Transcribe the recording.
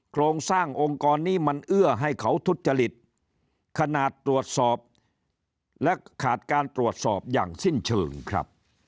โครงสร้างองค์กรนี้มันเอื้อให้เขาทุจริตขนาดตรวจสอบและขาดการตรวจสอบอย่างสิ้นเชิงครับ